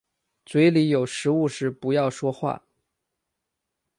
嘴里有食物时不要说话。